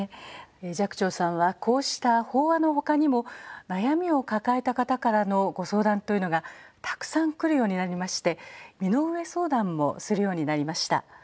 寂聴さんはこうした法話のほかにも悩みを抱えた方からのご相談というのがたくさん来るようになりまして身の上相談もするようになりました。